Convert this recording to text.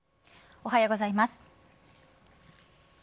おはようございます。